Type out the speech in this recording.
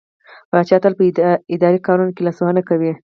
پاچا تل په اداري کارونو کې لاسوهنه کوي.